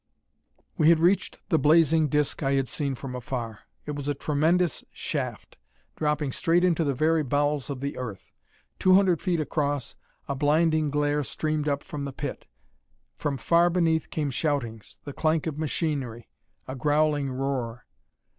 We had reached the blazing disk I had seen from afar. It was a tremendous shaft, dropping straight into the very bowels of the earth. Two hundred feet across, a blinding glare streamed up from the pit. From far beneath came shoutings, the clank of machinery, a growling roar.